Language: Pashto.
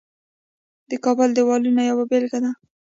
د کابل دیوالونه یوه بیلګه ده